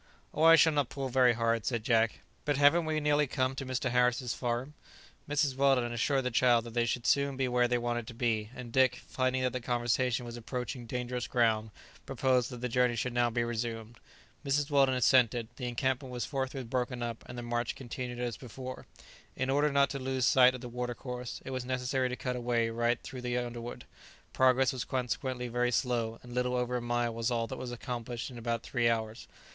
"O, I shall not pull very hard," said Jack; "but haven't we nearly come to Mr. Harris's farm?" Mrs. Weldon assured the child that they should soon be where they wanted to be, and Dick, finding that the conversation was approaching dangerous ground, proposed that the journey should be now resumed. Mrs. Weldon assented; the encampment was forthwith broken up and the march continued as before. [Illustration: It was a scene only too common in Central Africa] In order not to lose sight of the watercourse, it was necessary to cut a way right through the underwood: progress was consequently very slow; and a little over a mile was all that was accomplished in about three hours.